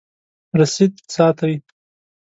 رسید ساتئ؟